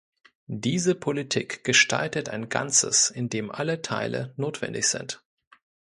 Diese Politik gestaltet ein Ganzes, in dem alle Teile notwendig sind.